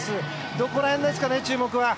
どこらへんですかね、注目は。